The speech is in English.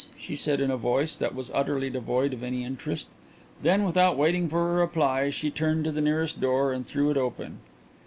she said, in a voice that was utterly devoid of any interest. Then, without waiting for a reply, she turned to the nearest door and threw it open.